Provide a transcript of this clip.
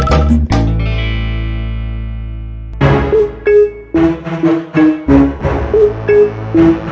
beri aku kasih